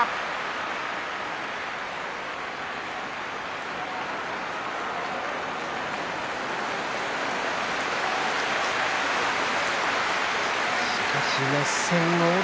拍手しかし熱戦でした。